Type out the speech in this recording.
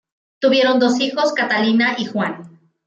Tuvieron dos hijos, Catalina y Juan.